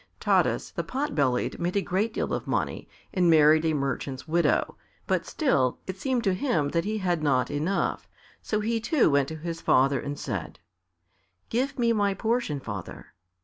Taras the Pot bellied made a great deal of money and married a merchant's widow, but still, it seemed to him that he had not enough, so he too went to his father and said, "Give me my portion, father."